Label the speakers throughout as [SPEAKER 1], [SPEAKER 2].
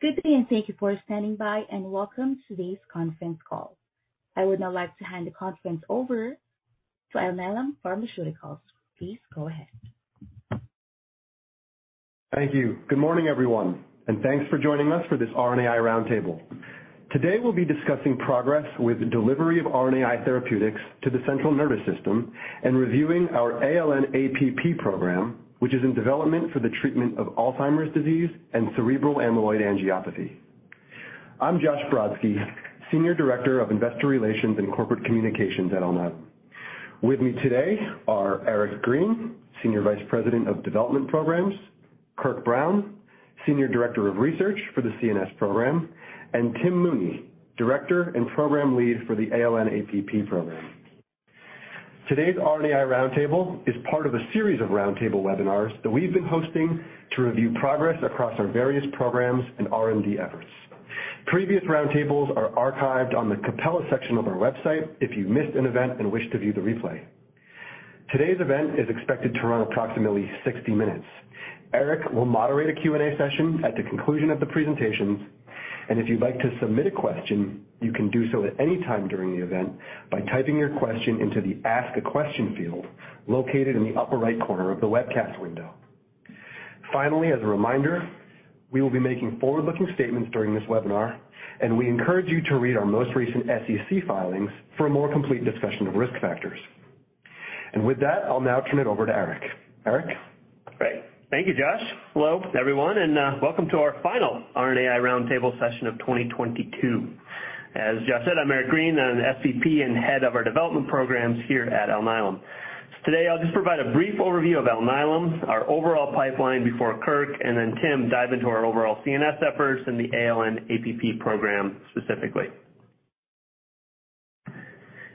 [SPEAKER 1] Good evening and thank you for standing by, and welcome to today's conference call. I would now like to hand the conference over to Alnylam Pharmaceuticals. Please go ahead.
[SPEAKER 2] Thank you. Good morning, everyone, and thanks for joining us for this RNAi roundtable. Today, we'll be discussing progress with the delivery of RNAi therapeutics to the central nervous system and reviewing our ALN-APP program, which is in development for the treatment of Alzheimer's disease and cerebral amyloid angiopathy. I'm Josh Brodsky, Senior Director of Investor Relations and Corporate Communications at Alnylam. With me today are Eric Green, Senior Vice President of Development Programs, Kirk Brown, Senior Director of Research for the CNS program, and Tim Mooney, Director and Program Lead for the ALN-APP program. Today's RNAi roundtable is part of a series of roundtable webinars that we've been hosting to review progress across our various programs and R&D efforts. Previous roundtables are archived on the Capsule section of our website if you missed an event and wish to view the replay. Today's event is expected to run approximately 60 minutes. Eric will moderate a Q&A session at the conclusion of the presentations, and if you'd like to submit a question, you can do so at any time during the event by typing your question into the Ask a Question field located in the upper right corner of the webcast window. Finally, as a reminder, we will be making forward-looking statements during this webinar, and we encourage you to read our most recent SEC filings for a more complete discussion of risk factors. And with that, I'll now turn it over to Eric. Eric?
[SPEAKER 3] Great. Thank you, Josh. Hello, everyone, and welcome to our final RNAi roundtable session of 2022. As Josh said, I'm Eric Green. I'm the SVP and head of our development programs here at Alnylam. Today, I'll just provide a brief overview of Alnylam, our overall pipeline before Kirk and then Tim dive into our overall CNS efforts and the ALN-APP program specifically.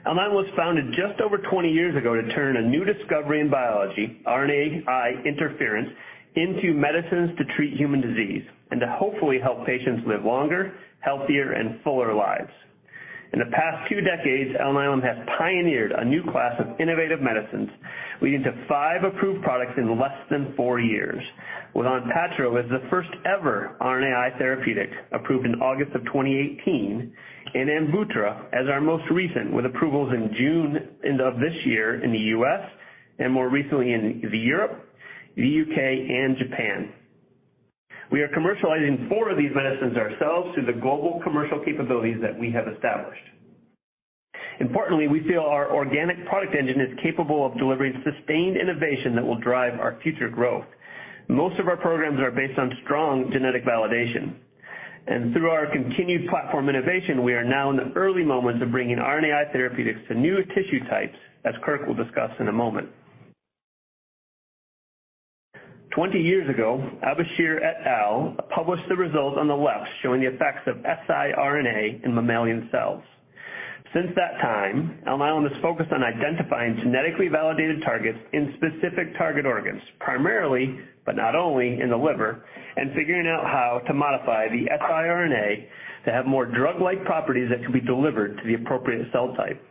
[SPEAKER 3] Alnylam was founded just over 20 years ago to turn a new discovery in biology, RNAi interference, into medicines to treat human disease and to hopefully help patients live longer, healthier, and fuller lives. In the past two decades, Alnylam has pioneered a new class of innovative medicines, leading to five approved products in less than four years. With Onpattro, it was the first-ever RNAi therapeutic approved in August of 2018, and Amvuttra as our most recent, with approvals in June of this year in the U.S. and more recently in Europe, the U.K., and Japan. We are commercializing four of these medicines ourselves through the global commercial capabilities that we have established. Importantly, we feel our organic product engine is capable of delivering sustained innovation that will drive our future growth. Most of our programs are based on strong genetic validation, and through our continued platform innovation, we are now in the early moments of bringing RNAi therapeutics to new tissue types, as Kirk will discuss in a moment. Twenty years ago, Elbashir et al. published the results on the left showing the effects of siRNA in mammalian cells. Since that time, Alnylam has focused on identifying genetically validated targets in specific target organs, primarily, but not only, in the liver, and figuring out how to modify the siRNA to have more drug-like properties that can be delivered to the appropriate cell type.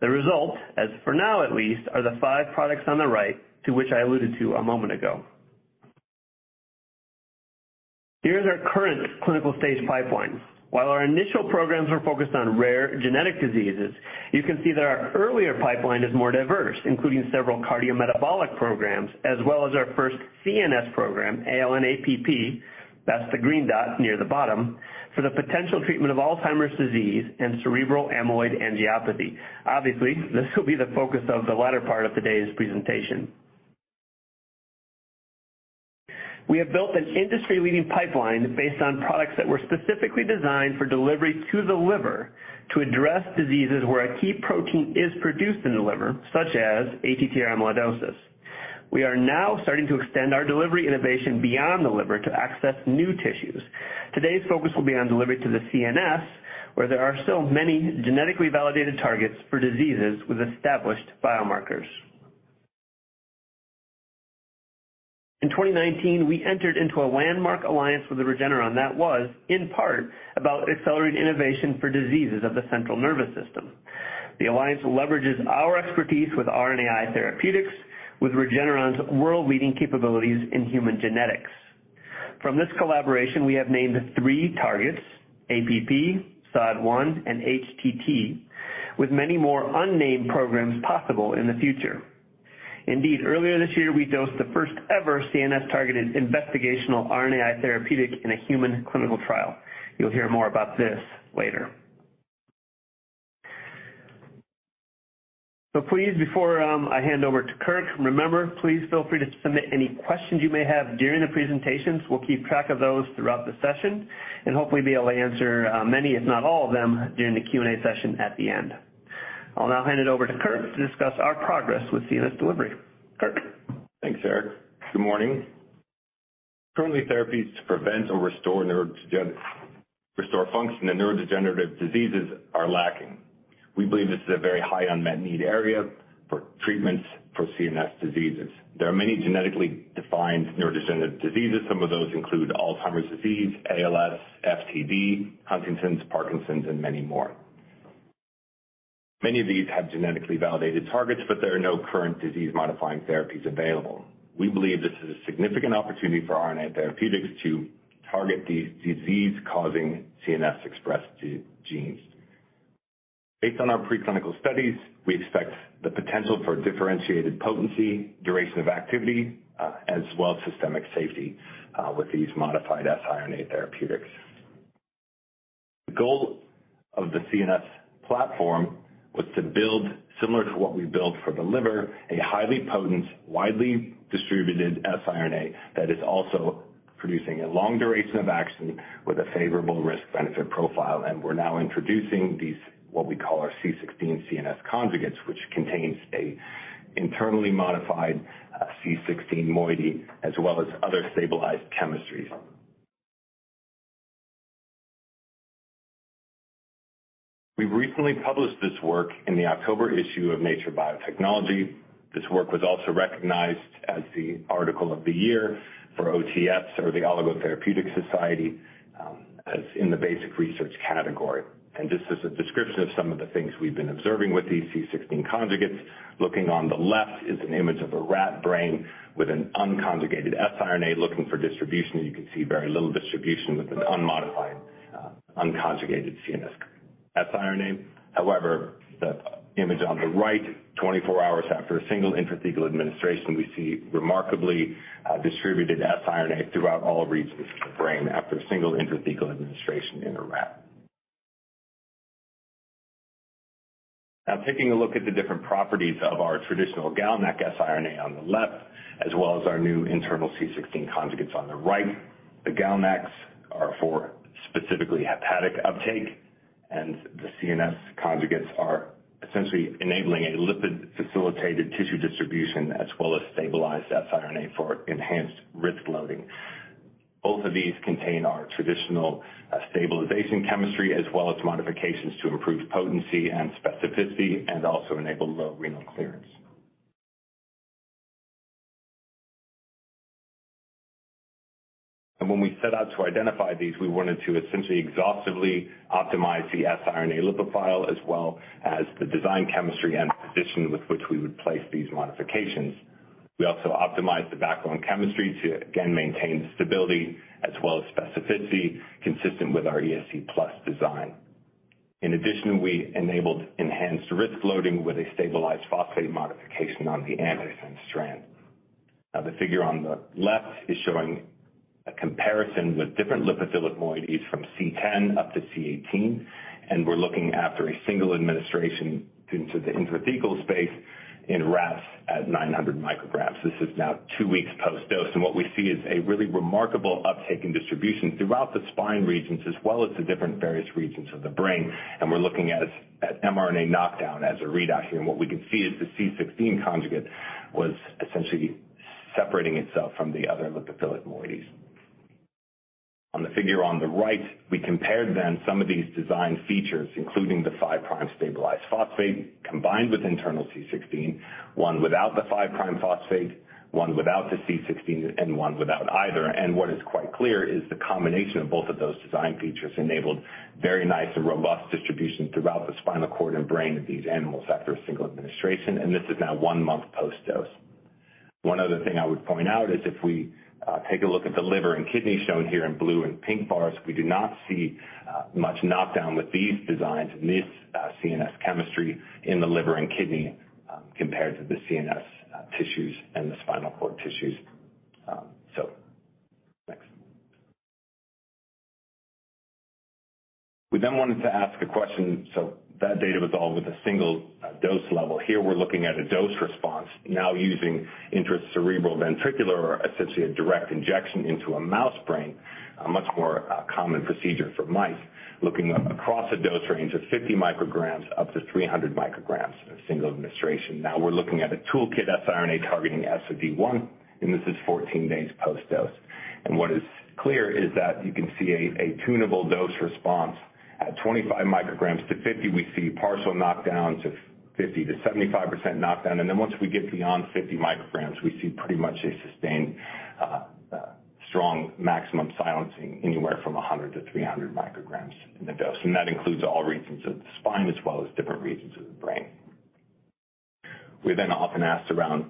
[SPEAKER 3] The result, as for now at least, are the five products on the right to which I alluded to a moment ago. Here's our current clinical stage pipeline. While our initial programs were focused on rare genetic diseases, you can see that our earlier pipeline is more diverse, including several cardiometabolic programs, as well as our first CNS program, ALN-APP. That's the green dot near the bottom for the potential treatment of Alzheimer's disease and cerebral amyloid angiopathy. Obviously, this will be the focus of the latter part of today's presentation. We have built an industry-leading pipeline based on products that were specifically designed for delivery to the liver to address diseases where a key protein is produced in the liver, such as ATTR amyloidosis. We are now starting to extend our delivery innovation beyond the liver to access new tissues. Today's focus will be on delivery to the CNS, where there are still many genetically validated targets for diseases with established biomarkers. In 2019, we entered into a landmark alliance with Regeneron, and that was, in part, about accelerated innovation for diseases of the central nervous system. The alliance leverages our expertise with RNAi therapeutics with Regeneron's world-leading capabilities in human genetics. From this collaboration, we have named three targets: APP, SOD1, and HTT, with many more unnamed programs possible in the future. Indeed, earlier this year, we dosed the first-ever CNS-targeted investigational RNAi therapeutic in a human clinical trial. You'll hear more about this later. So please, before I hand over to Kirk, remember, please feel free to submit any questions you may have during the presentations. We'll keep track of those throughout the session and hopefully be able to answer many, if not all of them, during the Q&A session at the end. I'll now hand it over to Kirk to discuss our progress with CNS delivery. Kirk?
[SPEAKER 4] Thanks, Eric. Good morning. Currently, therapies to prevent or restore function in neurodegenerative diseases are lacking. We believe this is a very high unmet need area for treatments for CNS diseases. There are many genetically defined neurodegenerative diseases. Some of those include Alzheimer's disease, ALS, FTD, Huntington's, Parkinson's, and many more. Many of these have genetically validated targets, but there are no current disease-modifying therapies available. We believe this is a significant opportunity for RNAi therapeutics to target these disease-causing CNS expressed genes. Based on our preclinical studies, we expect the potential for differentiated potency, duration of activity, as well as systemic safety with these modified siRNA therapeutics. The goal of the CNS platform was to build, similar to what we built for the liver, a highly potent, widely distributed siRNA that is also producing a long duration of action with a favorable risk-benefit profile, and we're now introducing these, what we call our C16 CNS conjugates, which contains an internally modified C16 moiety, as well as other stabilized chemistries. We've recently published this work in the October issue of Nature Biotechnology. This work was also recognized as the Article of the Year for OTS, or the Oligonucleotide Therapeutics Society, in the basic research category. And this is a description of some of the things we've been observing with these C16 conjugates. Looking on the left is an image of a rat brain with an unconjugated siRNA looking for distribution. You can see very little distribution with an unmodified, unconjugated CNS siRNA. However, the image on the right, 24 hours after a single intrathecal administration, we see remarkably distributed siRNA throughout all regions of the brain after a single intrathecal administration in a rat. Now, taking a look at the different properties of our traditional GalNAc siRNA on the left, as well as our new internal C16 conjugates on the right, the GalNAcs are for specifically hepatic uptake, and the CNS conjugates are essentially enabling a lipid-facilitated tissue distribution as well as stabilized siRNA for enhanced RISC loading. Both of these contain our traditional stabilization chemistry, as well as modifications to improve potency and specificity and also enable low renal clearance. When we set out to identify these, we wanted to essentially exhaustively optimize the siRNA lipophile, as well as the design chemistry and position with which we would place these modifications. We also optimized the backbone chemistry to, again, maintain stability as well as specificity consistent with our ESC+ design. In addition, we enabled enhanced siRNA loading with a stabilized phosphate modification on the antisense strand. Now, the figure on the left is showing a comparison with different lipophilic moieties from C10 up to C18, and we're looking after a single administration into the intrathecal space in rats at 900 micrograms. This is now two weeks post-dose, and what we see is a really remarkable uptake and distribution throughout the spinal regions, as well as the different various regions of the brain, and we're looking at mRNA knockdown as a readout here. And what we can see is the C16 conjugate was essentially separating itself from the other lipophilic moieties. On the figure on the right, we compared then some of these design features, including the five-prime stabilized phosphate combined with internal C16, one without the five-prime phosphate, one without the C16, and one without either, and what is quite clear is the combination of both of those design features enabled very nice and robust distribution throughout the spinal cord and brain of these animals after a single administration, and this is now one month post-dose. One other thing I would point out is if we take a look at the liver and kidney shown here in blue and pink bars, we do not see much knockdown with these designs and this CNS chemistry in the liver and kidney compared to the CNS tissues and the spinal cord tissues. So, next. We then wanted to ask a question. So that data was all with a single dose level. Here, we're looking at a dose response now using intracerebroventricular, essentially a direct injection into a mouse brain, a much more common procedure for mice, looking across a dose range of 50-300 micrograms in a single administration. Now, we're looking at a toolkit siRNA targeting SOD1, and this is 14 days post-dose. What is clear is that you can see a tunable dose response. At 25-50 micrograms, we see partial knockdowns of 50-75% knockdown, and then once we get beyond 50 micrograms, we see pretty much a sustained strong maximum silencing anywhere from 100-300 micrograms in the dose, and that includes all regions of the spine as well as different regions of the brain. We then often asked around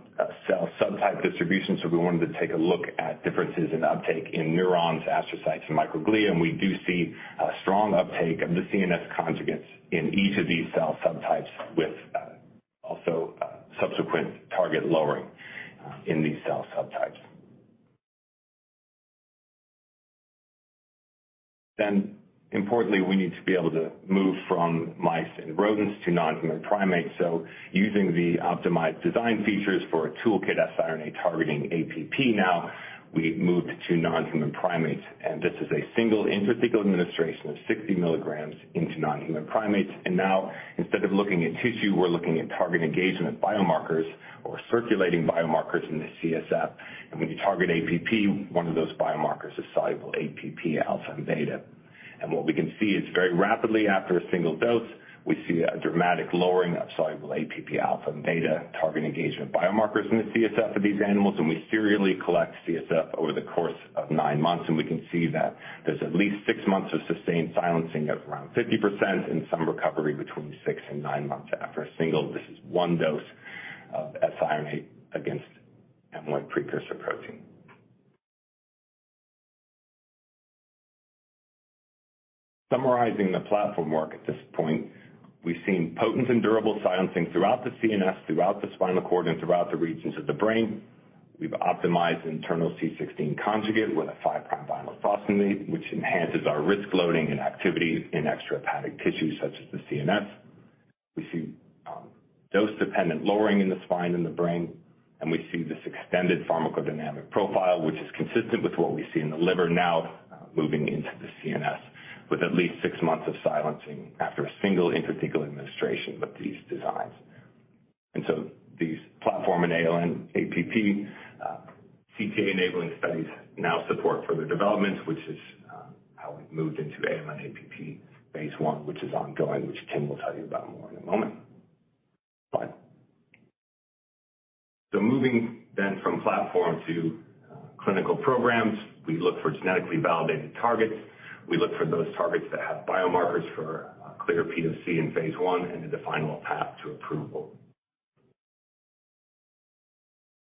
[SPEAKER 4] cell subtype distribution, so we wanted to take a look at differences in uptake in neurons, astrocytes, and microglia, and we do see a strong uptake of the CNS conjugates in each of these cell subtypes with also subsequent target lowering in these cell subtypes, then importantly, we need to be able to move from mice and rodents to nonhuman primates, so using the optimized design features for a toolkit siRNA targeting APP, now we moved to nonhuman primates, and this is a single intrathecal administration of 60 milligrams into nonhuman primates, and now, instead of looking at tissue, we're looking at target engagement biomarkers or circulating biomarkers in the CSF, and when you target APP, one of those biomarkers is soluble APP alpha and beta.
[SPEAKER 2] What we can see is very rapidly after a single dose, we see a dramatic lowering of soluble APP alpha and beta target engagement biomarkers in the CSF of these animals, and we serially collect CSF over the course of nine months, and we can see that there's at least six months of sustained silencing of around 50% and some recovery between six and nine months after a single dose. This is one dose of siRNA against amyloid precursor protein. Summarizing the platform work at this point, we've seen potent and durable silencing throughout the CNS, throughout the spinal cord, and throughout the regions of the brain. We've optimized internal C16 conjugate with a five-prime vinyl phosphamate, which enhances our RISC loading and activity in extrahepatic tissues such as the CNS. We see dose-dependent lowering in the spine and the brain, and we see this extended pharmacodynamic profile, which is consistent with what we see in the liver now moving into the CNS, with at least six months of silencing after a single intrathecal administration with these designs, and so these platform and ALN-APP CTA-enabling studies now support further development, which is how we've moved into ALN-APP Phase 1, which is ongoing, which Tim will tell you about more in a moment, so moving then from platform to clinical programs, we look for genetically validated targets. We look for those targets that have biomarkers for clear POC in Phase 1 and to the final path to approval,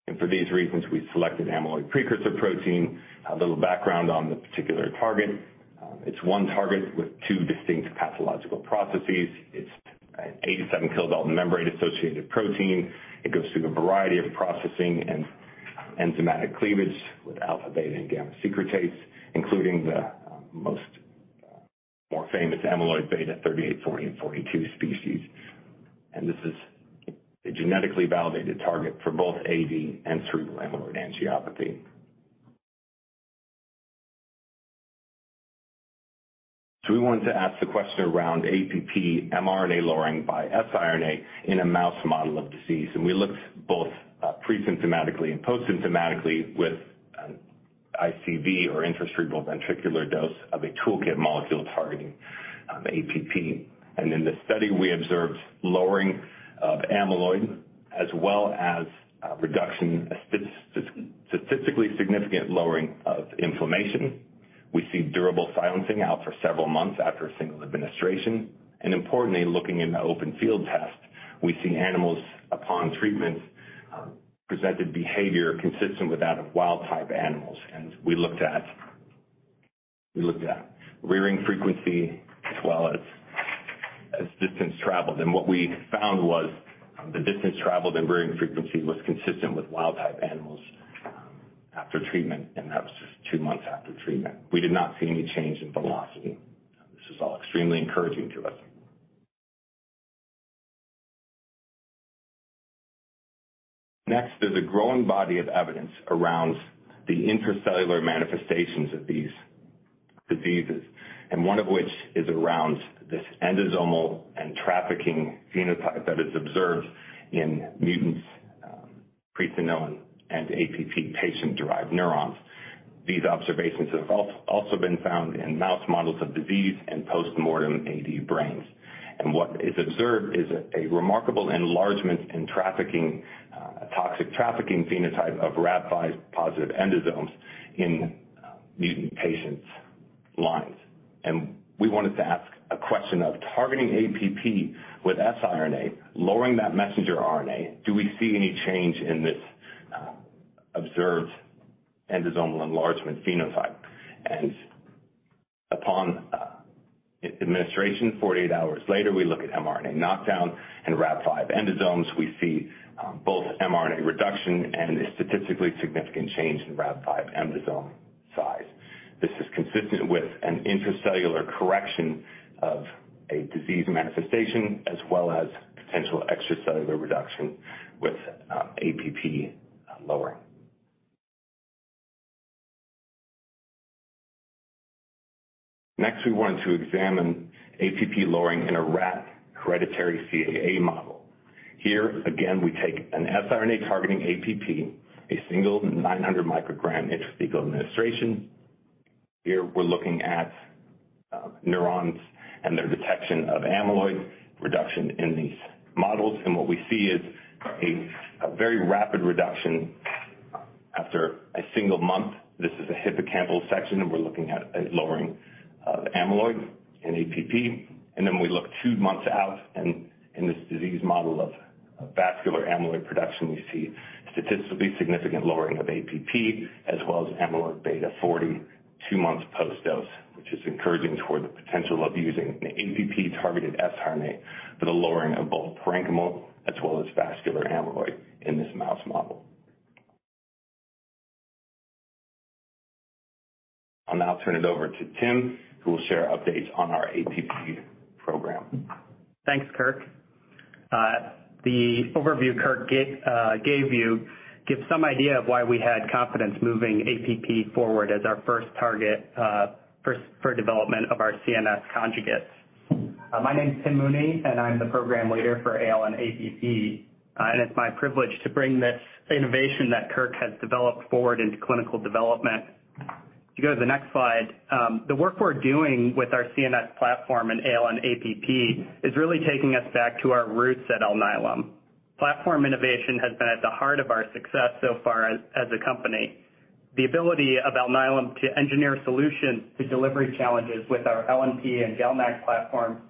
[SPEAKER 2] and for these reasons, we selected amyloid precursor protein. A little background on the particular target: it's one target with two distinct pathological processes. It's an 87-kilodalton membrane-associated protein. It goes through a variety of processing and enzymatic cleavage with alpha, beta, and gamma secretase, including the most famous amyloid beta 38, 40, and 42 species. And this is a genetically validated target for both AD and cerebral amyloid angiopathy. So, we wanted to ask the question around APP mRNA lowering by siRNA in a mouse model of disease, and we looked both pre-symptomatically and post-symptomatically with an ICV or intrathecal ventricular dose of a toolkit molecule targeting APP. And in this study, we observed lowering of amyloid as well as reduction, statistically significant lowering of inflammation. We see durable silencing out for several months after a single administration. And importantly, looking in the open field test, we see animals upon treatment presented behavior consistent with that of wild-type animals, and we looked at rearing frequency as well as distance traveled. What we found was the distance traveled in rearing frequency was consistent with wild-type animals after treatment, and that was just two months after treatment. We did not see any change in velocity. This was all extremely encouraging to us. Next, there's a growing body of evidence around the intracellular manifestations of these diseases, and one of which is around this endosomal and trafficking phenotype that is observed in mutants presenilin and APP patient-derived neurons. These observations have also been found in mouse models of disease and post-mortem AD brains. What is observed is a remarkable enlargement in trafficking, toxic trafficking phenotype of Rab5 positive endosomes in mutant patients' lines. We wanted to ask a question of targeting APP with siRNA, lowering that messenger RNA, do we see any change in this observed endosomal enlargement phenotype? Upon administration, 48 hours later, we look at mRNA knockdown and RAB5 endosomes. We see both mRNA reduction and a statistically significant change in RAB5 endosome size. This is consistent with an intracellular correction of a disease manifestation as well as potential extracellular reduction with APP lowering. Next, we wanted to examine APP lowering in a rat hereditary CAA model. Here, again, we take an siRNA targeting APP, a single 900 microgram intrathecal administration. Here, we're looking at neurons and their detection of amyloid reduction in these models, and what we see is a very rapid reduction after a single month. This is a hippocampal section, and we're looking at a lowering of amyloid in APP. And then we look two months out, and in this disease model of vascular amyloid production, we see statistically significant lowering of APP as well as amyloid beta 40 two months post-dose, which is encouraging toward the potential of using an APP-targeted siRNA for the lowering of both parenchymal as well as vascular amyloid in this mouse model. I'll now turn it over to Tim, who will share updates on our APP program.
[SPEAKER 5] Thanks, Kirk. The overview Kirk gave you gives some idea of why we had confidence moving APP forward as our first target for development of our CNS conjugates. My name's Tim Mooney, and I'm the program leader for ALN-APP, and it's my privilege to bring this innovation that Kirk has developed forward into clinical development. If you go to the next slide, the work we're doing with our CNS platform and ALN-APP is really taking us back to our roots at Alnylam. Platform innovation has been at the heart of our success so far as a company. The ability of Alnylam to engineer solutions to delivery challenges with our LNP and GalNAc platforms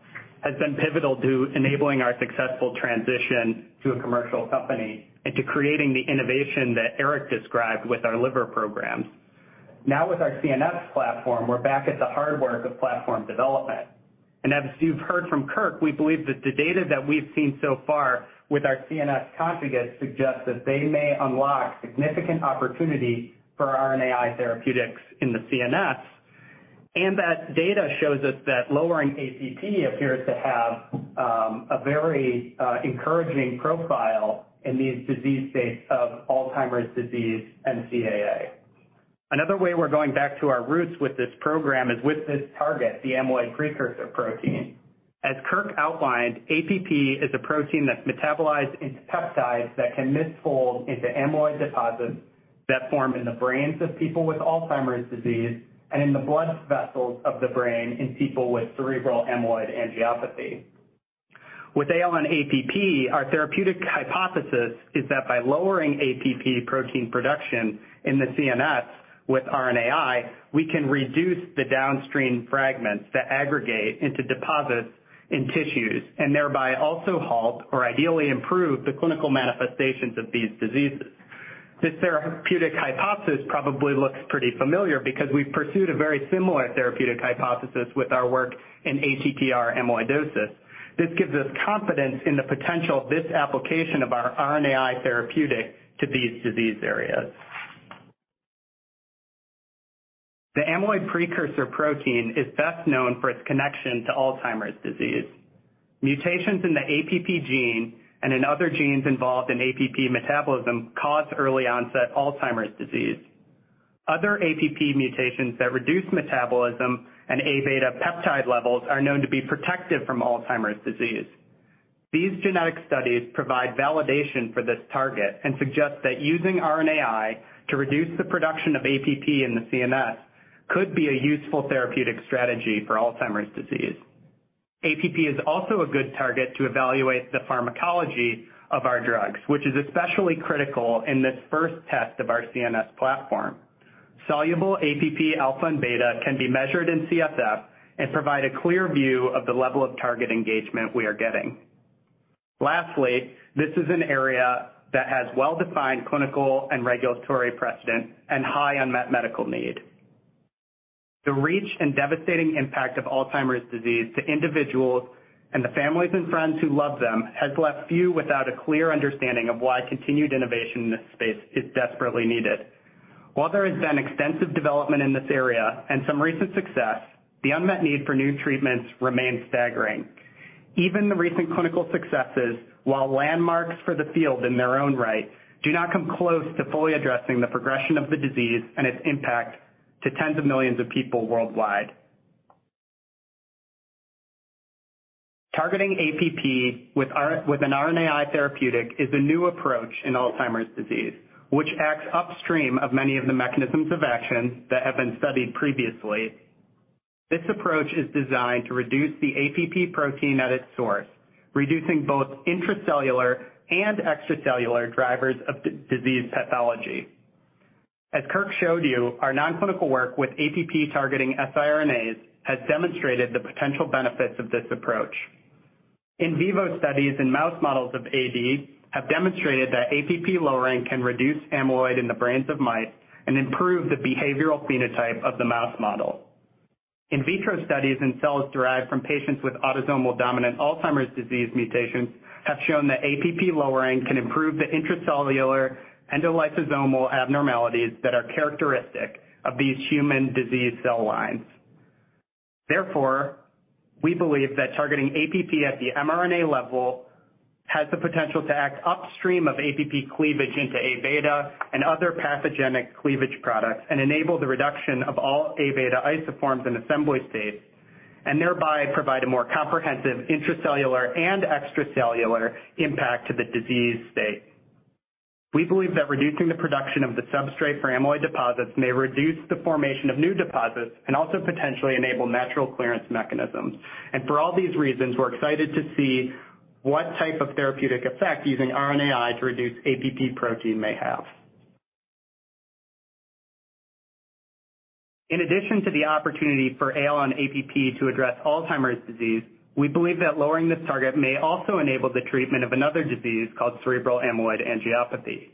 [SPEAKER 5] has been pivotal to enabling our successful transition to a commercial company and to creating the innovation that Eric described with our liver programs. Now, with our CNS platform, we're back at the hard work of platform development. As you've heard from Kirk, we believe that the data that we've seen so far with our CNS conjugate suggests that they may unlock significant opportunity for RNAi therapeutics in the CNS, and that data shows us that lowering APP appears to have a very encouraging profile in these disease states of Alzheimer's disease and CAA. Another way we're going back to our roots with this program is with this target, the amyloid precursor protein. As Kirk outlined, APP is a protein that's metabolized into peptides that can misfold into amyloid deposits that form in the brains of people with Alzheimer's disease and in the blood vessels of the brain in people with cerebral amyloid angiopathy. With ALN-APP, our therapeutic hypothesis is that by lowering APP protein production in the CNS with RNAi, we can reduce the downstream fragments that aggregate into deposits in tissues and thereby also halt or ideally improve the clinical manifestations of these diseases. This therapeutic hypothesis probably looks pretty familiar because we've pursued a very similar therapeutic hypothesis with our work in ATTR amyloidosis. This gives us confidence in the potential of this application of our RNAi therapeutic to these disease areas. The amyloid precursor protein is best known for its connection to Alzheimer's disease. Mutations in the APP gene and in other genes involved in APP metabolism cause early onset Alzheimer's disease. Other APP mutations that reduce metabolism and A beta peptide levels are known to be protective from Alzheimer's disease. These genetic studies provide validation for this target and suggest that using RNAi to reduce the production of APP in the CNS could be a useful therapeutic strategy for Alzheimer's disease. APP is also a good target to evaluate the pharmacology of our drugs, which is especially critical in this first test of our CNS platform. Soluble APP alpha and beta can be measured in CSF and provide a clear view of the level of target engagement we are getting. Lastly, this is an area that has well-defined clinical and regulatory precedent and high unmet medical need. The reach and devastating impact of Alzheimer's disease to individuals and the families and friends who love them has left few without a clear understanding of why continued innovation in this space is desperately needed. While there has been extensive development in this area and some recent success, the unmet need for new treatments remains staggering. Even the recent clinical successes, while landmarks for the field in their own right, do not come close to fully addressing the progression of the disease and its impact to tens of millions of people worldwide. Targeting APP with an RNAi therapeutic is a new approach in Alzheimer's disease, which acts upstream of many of the mechanisms of action that have been studied previously. This approach is designed to reduce the APP protein at its source, reducing both intracellular and extracellular drivers of disease pathology. As Kirk showed you, our non-clinical work with APP targeting siRNAs has demonstrated the potential benefits of this approach. In vivo studies in mouse models of AD have demonstrated that APP lowering can reduce amyloid in the brains of mice and improve the behavioral phenotype of the mouse model. In vitro studies in cells derived from patients with autosomal dominant Alzheimer's disease mutations have shown that APP lowering can improve the intracellular endolysosomal abnormalities that are characteristic of these human disease cell lines. Therefore, we believe that targeting APP at the mRNA level has the potential to act upstream of APP cleavage into A beta and other pathogenic cleavage products and enable the reduction of all A beta isoforms in assembly states, and thereby provide a more comprehensive intracellular and extracellular impact to the disease state. We believe that reducing the production of the substrate for amyloid deposits may reduce the formation of new deposits and also potentially enable natural clearance mechanisms. And for all these reasons, we're excited to see what type of therapeutic effect using RNAi to reduce APP protein may have. In addition to the opportunity for ALN-APP to address Alzheimer's disease, we believe that lowering this target may also enable the treatment of another disease called cerebral amyloid angiopathy.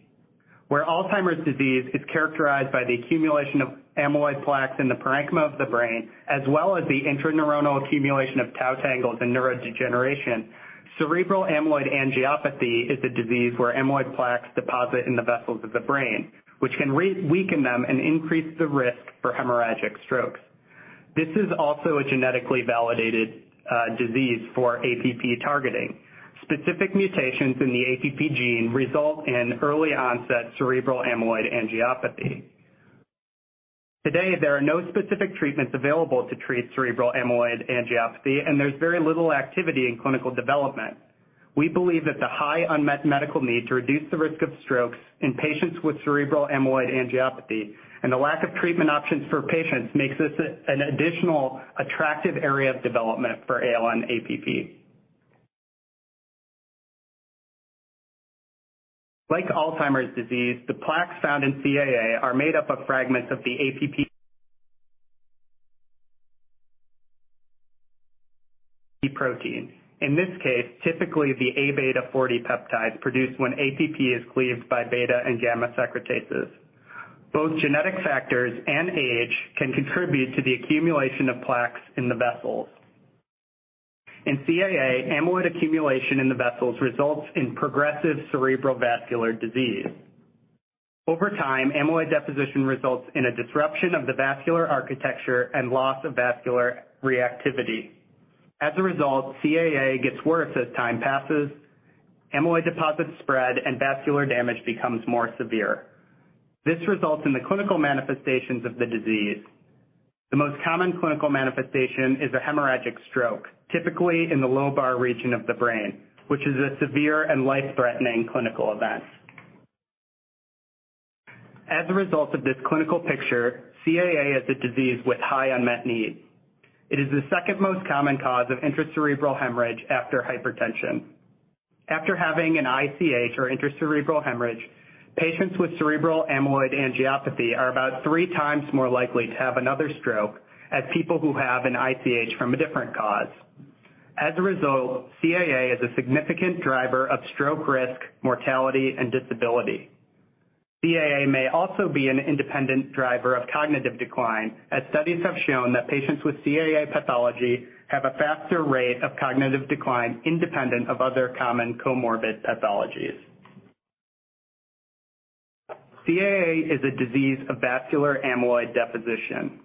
[SPEAKER 5] Where Alzheimer's disease is characterized by the accumulation of amyloid plaques in the parenchyma of the brain as well as the intraneuronal accumulation of tau tangles and neurodegeneration, cerebral amyloid angiopathy is a disease where amyloid plaques deposit in the vessels of the brain, which can weaken them and increase the risk for hemorrhagic strokes. This is also a genetically validated disease for APP targeting. Specific mutations in the APP gene result in early onset cerebral amyloid angiopathy. Today, there are no specific treatments available to treat cerebral amyloid angiopathy, and there's very little activity in clinical development. We believe that the high unmet medical need to reduce the risk of strokes in patients with cerebral amyloid angiopathy and the lack of treatment options for patients makes this an additional attractive area of development for ALN-APP. Like Alzheimer's disease, the plaques found in CAA are made up of fragments of the APP protein. In this case, typically the A beta 40 peptides produced when APP is cleaved by beta and gamma secretases. Both genetic factors and age can contribute to the accumulation of plaques in the vessels. In CAA, amyloid accumulation in the vessels results in progressive cerebrovascular disease. Over time, amyloid deposition results in a disruption of the vascular architecture and loss of vascular reactivity. As a result, CAA gets worse as time passes, amyloid deposits spread, and vascular damage becomes more severe. This results in the clinical manifestations of the disease. The most common clinical manifestation is a hemorrhagic stroke, typically in the lobar region of the brain, which is a severe and life-threatening clinical event. As a result of this clinical picture, CAA is a disease with high unmet need. It is the second most common cause of intracerebral hemorrhage after hypertension. After having an ICH or intracerebral hemorrhage, patients with cerebral amyloid angiopathy are about three times more likely to have another stroke as people who have an ICH from a different cause. As a result, CAA is a significant driver of stroke risk, mortality, and disability. CAA may also be an independent driver of cognitive decline, as studies have shown that patients with CAA pathology have a faster rate of cognitive decline independent of other common comorbid pathologies. CAA is a disease of vascular amyloid deposition.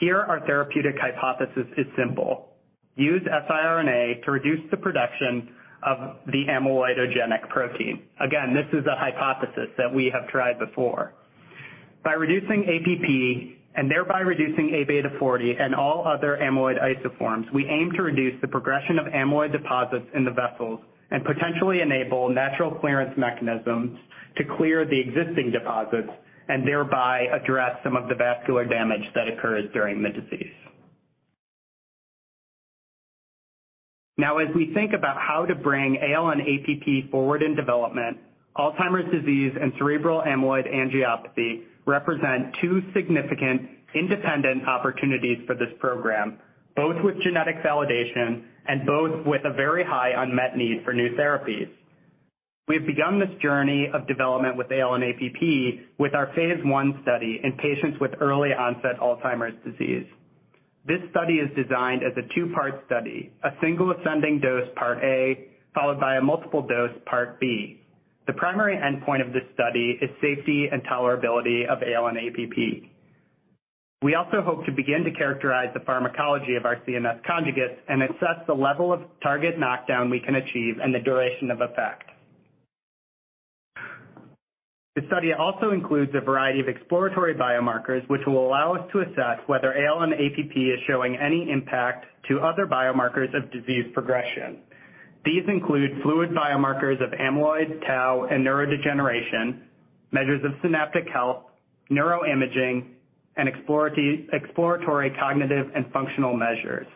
[SPEAKER 5] Here, our therapeutic hypothesis is simple. Use siRNA to reduce the production of the amyloidogenic protein. Again, this is a hypothesis that we have tried before. By reducing APP and thereby reducing A beta 40 and all other amyloid isoforms, we aim to reduce the progression of amyloid deposits in the vessels and potentially enable natural clearance mechanisms to clear the existing deposits and thereby address some of the vascular damage that occurs during the disease. Now, as we think about how to bring ALN-APP forward in development, Alzheimer's disease and cerebral amyloid angiopathy represent two significant independent opportunities for this program, both with genetic validation and both with a very high unmet need for new therapies. We have begun this journey of development with ALN-APP with our Phase 1 study in patients with early onset Alzheimer's disease. This study is designed as a two-part study, a single ascending dose part A followed by a multiple dose part B. The primary endpoint of this study is safety and tolerability of ALN-APP. We also hope to begin to characterize the pharmacology of our CNS conjugates and assess the level of target knockdown we can achieve and the duration of effect. The study also includes a variety of exploratory biomarkers, which will allow us to assess whether ALN-APP is showing any impact to other biomarkers of disease progression. These include fluid biomarkers of amyloid, tau, and neurodegeneration, measures of synaptic health, neuroimaging, and exploratory cognitive and functional measures.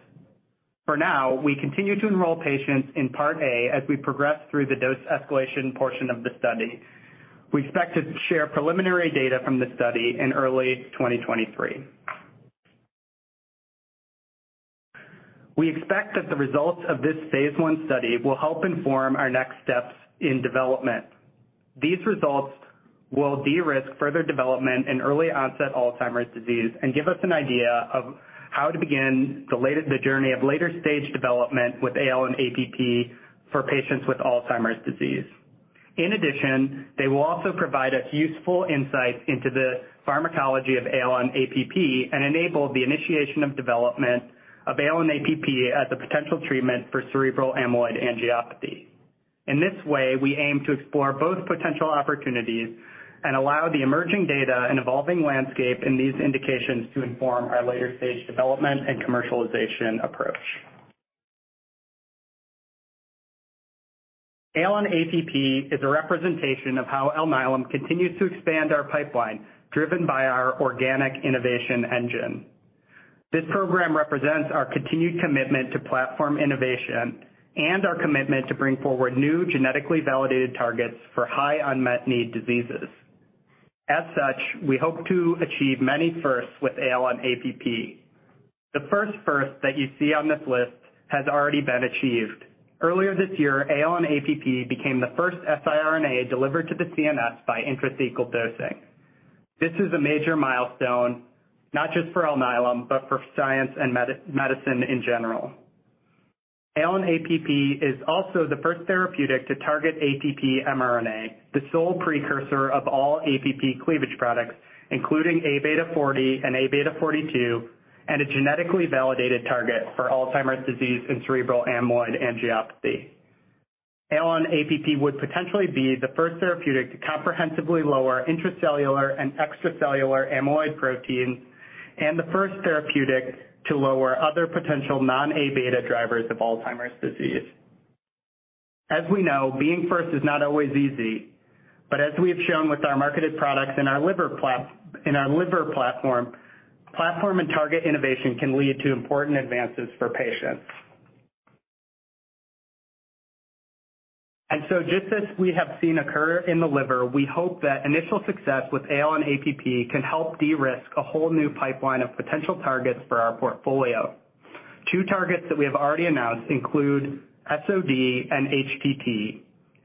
[SPEAKER 5] For now, we continue to enroll patients in part A as we progress through the dose escalation portion of the study. We expect to share preliminary data from the study in early 2023. We expect that the results of this Phase 1 study will help inform our next steps in development. These results will de-risk further development in early onset Alzheimer's disease and give us an idea of how to begin the journey of later stage development with ALN-APP for patients with Alzheimer's disease. In addition, they will also provide us useful insights into the pharmacology of ALN-APP and enable the initiation of development of ALN-APP as a potential treatment for cerebral amyloid angiopathy. In this way, we aim to explore both potential opportunities and allow the emerging data and evolving landscape in these indications to inform our later stage development and commercialization approach. ALN-APP is a representation of how Alnylam continues to expand our pipeline driven by our organic innovation engine. This program represents our continued commitment to platform innovation and our commitment to bring forward new genetically validated targets for high unmet need diseases. As such, we hope to achieve many firsts with ALN-APP. The first first that you see on this list has already been achieved. Earlier this year, ALN-APP became the first siRNA delivered to the CNS by intrathecal dosing. This is a major milestone not just for Alnylam, but for science and medicine in general. ALN-APP is also the first therapeutic to target APP mRNA, the sole precursor of all APP cleavage products, including A beta 40 and A beta 42, and a genetically validated target for Alzheimer's disease and cerebral amyloid angiopathy. ALN-APP would potentially be the first therapeutic to comprehensively lower intracellular and extracellular amyloid proteins and the first therapeutic to lower other potential non-A beta drivers of Alzheimer's disease. As we know, being first is not always easy, but as we have shown with our marketed products in our liver platform, platform and target innovation can lead to important advances for patients. And so, just as we have seen occur in the liver, we hope that initial success with ALN-APP can help de-risk a whole new pipeline of potential targets for our portfolio. Two targets that we have already announced include SOD and HTT.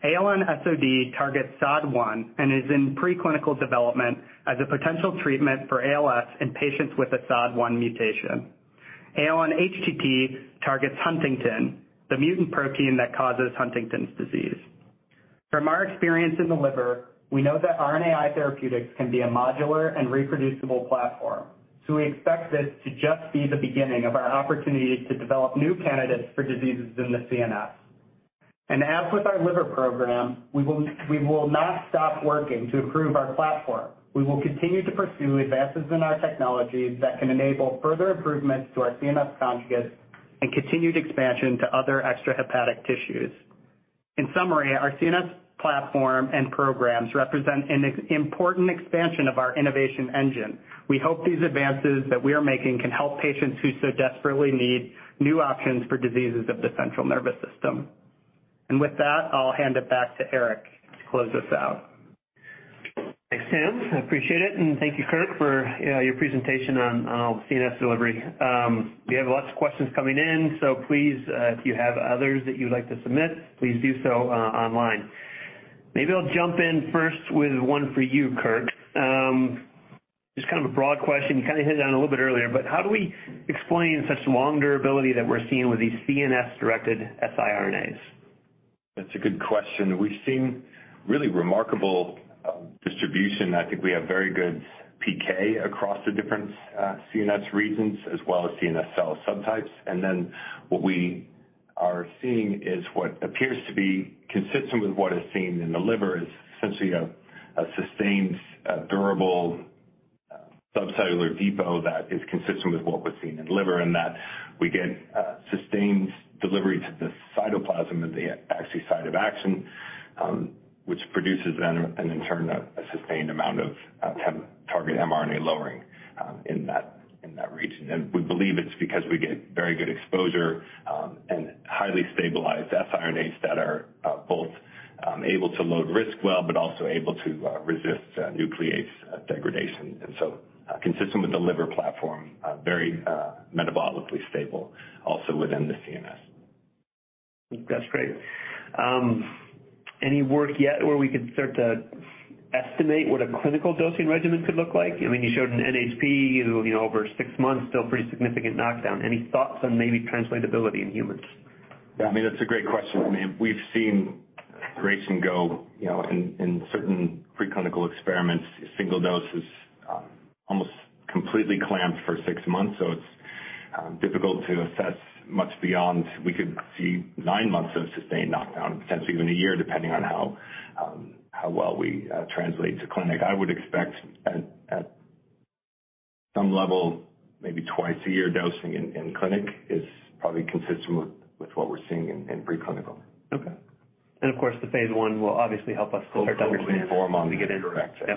[SPEAKER 5] ALN-SOD targets SOD1 and is in preclinical development as a potential treatment for ALS in patients with a SOD1 mutation. ALN-HTT targets huntingtin, the mutant protein that causes Huntington's disease. From our experience in the liver, we know that RNAi therapeutics can be a modular and reproducible platform, so we expect this to just be the beginning of our opportunity to develop new candidates for diseases in the CNS. And as with our liver program, we will not stop working to improve our platform. We will continue to pursue advances in our technologies that can enable further improvements to our CNS conjugates and continued expansion to other extrahepatic tissues. In summary, our CNS platform and programs represent an important expansion of our innovation engine. We hope these advances that we are making can help patients who so desperately need new options for diseases of the central nervous system. And with that, I'll hand it back to Eric to close this out.
[SPEAKER 3] Thanks, Tim. I appreciate it. And thank you, Kirk, for your presentation on all the CNS delivery. We have lots of questions coming in, so please, if you have others that you'd like to submit, please do so online. Maybe I'll jump in first with one for you, Kirk. Just kind of a broad question. You kind of hit it on a little bit earlier, but how do we explain such long durability that we're seeing with these CNS-directed siRNAs?
[SPEAKER 4] That's a good question. We've seen really remarkable distribution. I think we have very good PK across the different CNS regions as well as CNS cell subtypes. And then what we are seeing is what appears to be consistent with what is seen in the liver is essentially a sustained, durable subcellular depot that is consistent with what we're seeing in the liver in that we get sustained delivery to the cytoplasm of the axis site of action, which produces then and in turn a sustained amount of target mRNA lowering in that region. And we believe it's because we get very good exposure and highly stabilized siRNAs that are both able to load RISC well, but also able to resist nuclease degradation. And so consistent with the liver platform, very metabolically stable also within the CNS.
[SPEAKER 3] That's great. Any work yet where we could start to estimate what a clinical dosing regimen could look like? I mean, you showed an NHP over six months, still pretty significant knockdown. Any thoughts on maybe translatability in humans?
[SPEAKER 4] Yeah, I mean, that's a great question. We've seen duration go in certain preclinical experiments, single doses almost completely clamped for six months, so it's difficult to assess much beyond. We could see nine months of sustained knockdown, potentially even a year depending on how well we translate to clinic. I would expect at some level, maybe twice a year dosing in clinic is probably consistent with what we're seeing in preclinical.
[SPEAKER 3] Okay. And of course, the Phase 1 will obviously help us to start to understand.
[SPEAKER 4] It will inform on the correct thing.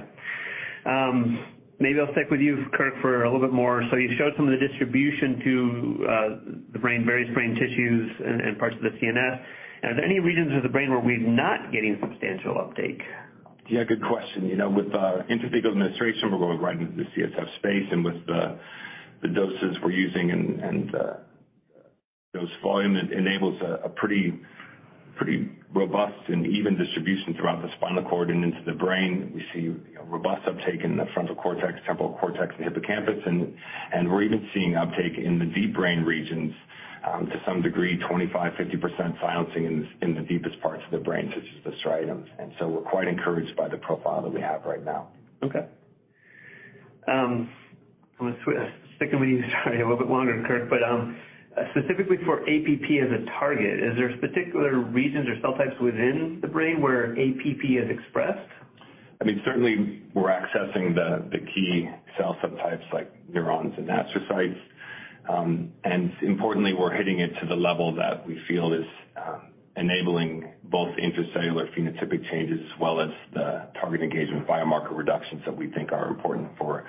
[SPEAKER 3] Yeah. Maybe I'll stick with you, Kirk, for a little bit more. So you showed some of the distribution to the brain, various brain tissues and parts of the CNS. Are there any regions of the brain where we're not getting substantial uptake?
[SPEAKER 4] Yeah, good question. With intrathecal administration, we're going right into the CSF space, and with the doses we're using and the dose volume, it enables a pretty robust and even distribution throughout the spinal cord and into the brain. We see robust uptake in the frontal cortex, temporal cortex, and hippocampus, and we're even seeing uptake in the deep brain regions to some degree, 25%-50% silencing in the deepest parts of the brain, such as the striatum. And so we're quite encouraged by the profile that we have right now.
[SPEAKER 3] Okay. I'm going to stick with you a little bit longer, Kirk, but specifically for APP as a target, is there particular regions or cell types within the brain where APP is expressed?
[SPEAKER 4] I mean, certainly we're accessing the key cell subtypes like neurons and astrocytes. And importantly, we're hitting it to the level that we feel is enabling both intracellular phenotypic changes as well as the target engagement biomarker reductions that we think are important for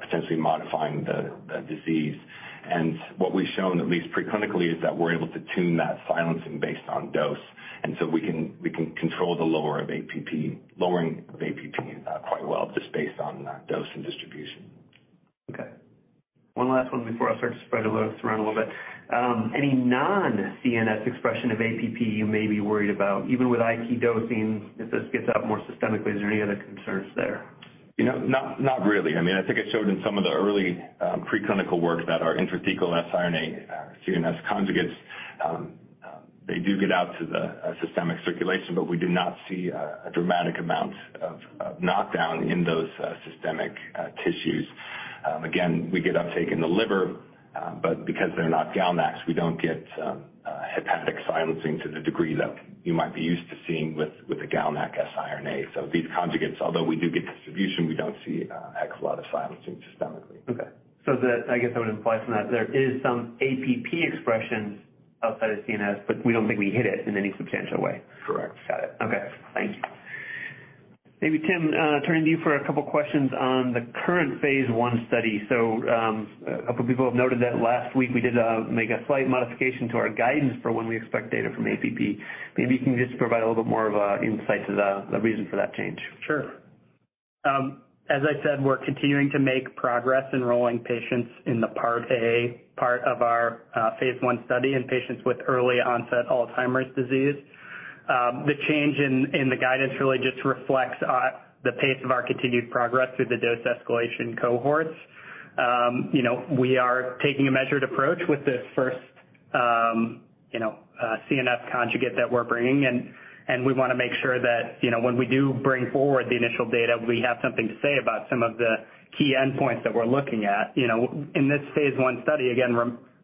[SPEAKER 4] potentially modifying the disease. And what we've shown at least preclinically is that we're able to tune that silencing based on dose. And so we can control the lowering of APP quite well just based on dose and distribution.
[SPEAKER 3] Okay. One last one before I start to spread the words around a little bit. Any non-CNS expression of APP you may be worried about? Even with IP dosing, if this gets out more systemically, is there any other concerns there?
[SPEAKER 4] Not really. I mean, I think I showed in some of the early preclinical work that our intrathecal siRNA CNS conjugates, they do get out to the systemic circulation, but we do not see a dramatic amount of knockdown in those systemic tissues. Again, we get uptake in the liver, but because they're not GalNAcs, we don't get hepatic silencing to the degree that you might be used to seeing with the GalNAc siRNA. So these conjugates, although we do get distribution, we don't see a lot of silencing systemically.
[SPEAKER 3] Okay. So I guess I would imply from that there is some APP expression outside of CNS, but we don't think we hit it in any substantial way.
[SPEAKER 4] Correct.
[SPEAKER 3] Got it. Okay. Thank you. Maybe, Tim, turn it to you for a couple of questions on the current Phase 1 study. So a couple of people have noted that last week we did make a slight modification to our guidance for when we expect data from APP. Maybe you can just provide a little bit more of an insight to the reason for that change.
[SPEAKER 5] Sure. As I said, we're continuing to make progress enrolling patients in the part A of our Phase 1 study in patients with early onset Alzheimer's disease. The change in the guidance really just reflects the pace of our continued progress through the dose escalation cohorts. We are taking a measured approach with this first CNS conjugate that we're bringing, and we want to make sure that when we do bring forward the initial data, we have something to say about some of the key endpoints that we're looking at. In this Phase 1 study, again,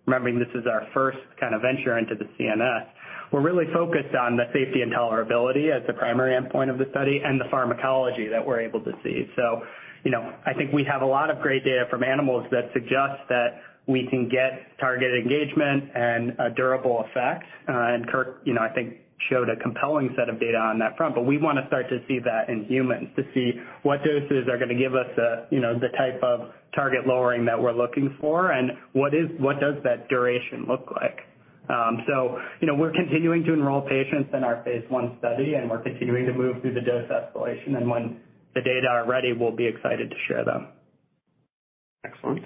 [SPEAKER 5] remembering this is our first kind of venture into the CNS, we're really focused on the safety and tolerability as the primary endpoint of the study and the pharmacology that we're able to see. So I think we have a lot of great data from animals that suggest that we can get target engagement and a durable effect. And Kirk, I think, showed a compelling set of data on that front, but we want to start to see that in humans to see what doses are going to give us the type of target lowering that we're looking for and what does that duration look like. So we're continuing to enroll patients in our Phase 1 study, and we're continuing to move through the dose escalation. And when the data are ready, we'll be excited to share them.
[SPEAKER 3] Excellent.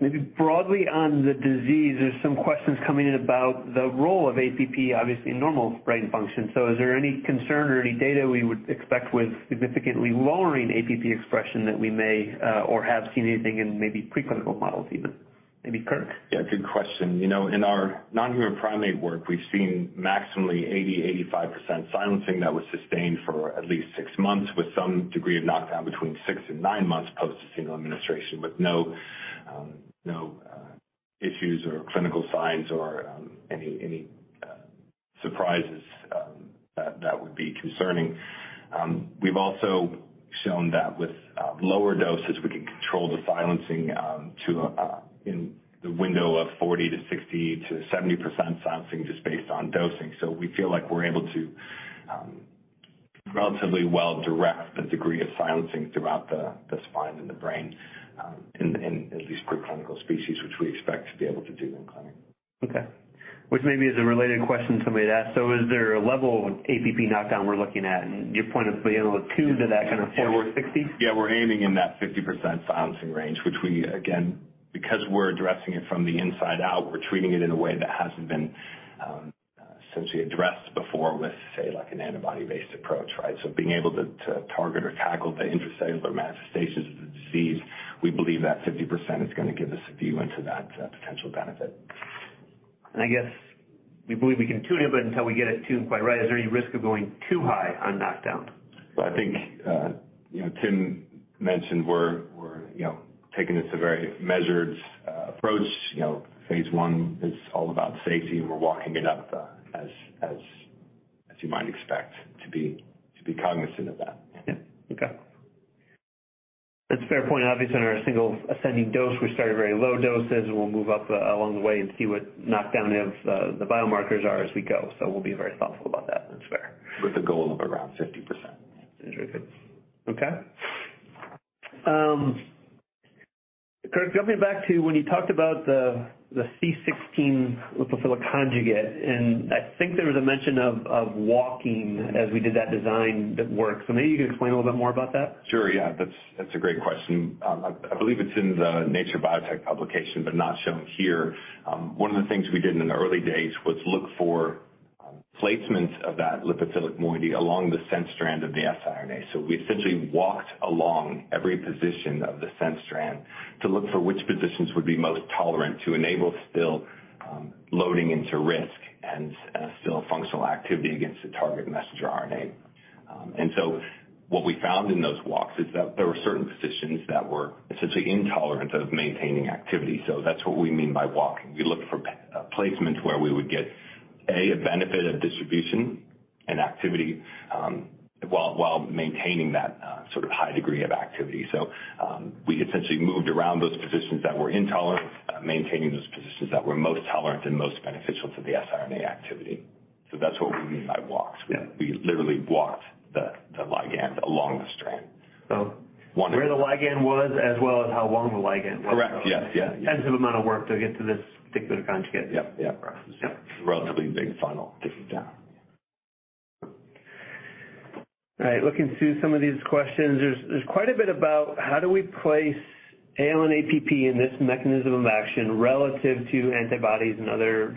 [SPEAKER 3] Maybe broadly on the disease, there's some questions coming in about the role of APP, obviously, in normal brain function. So is there any concern or any data we would expect with significantly lowering APP expression that we may or have seen anything in maybe preclinical models even? Maybe, Kirk?
[SPEAKER 4] Yeah, good question. In our non-human primate work, we've seen maximally 80%-85% silencing that was sustained for at least six months with some degree of knockdown between six and nine months post a single administration with no issues or clinical signs or any surprises that would be concerning. We've also shown that with lower doses, we can control the silencing in the window of 40%-60%-70% silencing just based on dosing. So we feel like we're able to relatively well direct the degree of silencing throughout the spine and the brain in these preclinical species, which we expect to be able to do in clinic.
[SPEAKER 3] Okay. Which maybe is a related question somebody had asked. So is there a level of APP knockdown we're looking at? And your point of being able to tune to that kind of 40% or 60%?
[SPEAKER 4] Yeah, we're aiming in that 50% silencing range, which we, again, because we're addressing it from the inside out, we're treating it in a way that hasn't been essentially addressed before with, say, like an antibody-based approach, right? So being able to target or tackle the intracellular manifestations of the disease, we believe that 50% is going to give us a view into that potential benefit.
[SPEAKER 3] I guess we believe we can tune it, but until we get it tuned quite right, is there any risk of going too high on knockdown?
[SPEAKER 4] I think Tim mentioned we're taking this a very measured approach. Phase 1 is all about safety, and we're walking it up as you might expect to be cognizant of that.
[SPEAKER 3] Yeah. Okay. That's a fair point.
[SPEAKER 5] Obviously, on our single ascending dose, we start at very low doses, and we'll move up along the way and see what knockdown of the biomarkers are as we go. So we'll be very thoughtful about that. That's fair.
[SPEAKER 4] With a goal of around 50%.
[SPEAKER 3] Very good. Okay. Kirk, jumping back to when you talked about the C16 lipophilic conjugate, and I think there was a mention of GalNAc as we did that design work. So maybe you can explain a little bit more about that?
[SPEAKER 4] Sure. Yeah, that's a great question. I believe it's in the Nature Biotechnology publication, but not shown here. One of the things we did in the early days was look for placements of that lipophilic moiety along the sense strand of the siRNA. We essentially walked along every position of the sense strand to look for which positions would be most tolerant to enable still loading into RISC and still functional activity against the target messenger RNA. And so what we found in those walks is that there were certain positions that were essentially intolerant of maintaining activity. So that's what we mean by walking. We looked for placements where we would get a benefit of distribution and activity while maintaining that sort of high degree of activity. So we essentially moved around those positions that were intolerant, maintaining those positions that were most tolerant and most beneficial to the siRNA activity. So that's what we mean by walks. We literally walked the ligand along the strand.
[SPEAKER 3] Where the ligand was as well as how long the ligand was.
[SPEAKER 4] Correct. Yes. Yeah.
[SPEAKER 3] Sensitive amount of work to get to this particular conjugate.
[SPEAKER 4] Yep. Yep. Yep. Relatively big final undertaking.
[SPEAKER 3] All right. Looking through some of these questions, there's quite a bit about how do we place ALN-APP in this mechanism of action relative to antibodies and other